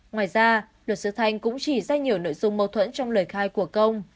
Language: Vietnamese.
ngoài ra luật sư thanh cũng chỉ ra nhiều nội dung mâu thuẫn trong lời khai của công